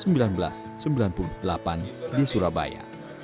pada tahun seribu sembilan ratus delapan di surabaya